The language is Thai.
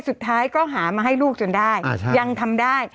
สุดท้ายก็หามาให้ลูกจนได้ยังทำได้